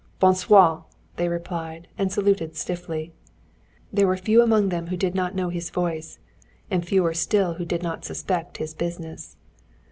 "Bonsoir!" they replied, and saluted stiffly. There were few among them who did not know his voice, and fewer still who did not suspect his business.